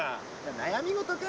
悩み事か？